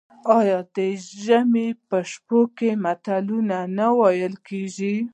آیا د ژمي په شپو کې متلونه نه ویل کیږي؟